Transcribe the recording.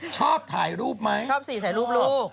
ชอบสิถ่ายรูปรู้